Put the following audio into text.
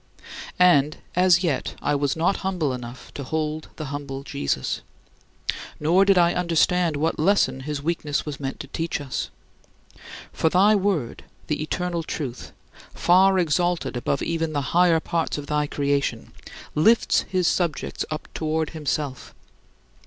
And, as yet, I was not humble enough to hold the humble Jesus; nor did I understand what lesson his weakness was meant to teach us. For thy Word, the eternal Truth, far exalted above even the higher parts of thy creation, lifts his subjects up toward himself.